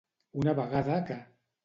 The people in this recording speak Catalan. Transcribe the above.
Una vegada que.